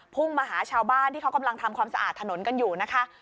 พุ่งมาหาชาวบ้านที่เขากำลังทำความสะอาดถนนกันอยู่นะคะ